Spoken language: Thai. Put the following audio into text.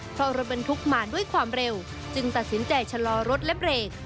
เพราะรถบรรทุกมาด้วยความเร็วจึงตัดสินใจชะลอรถและเบรก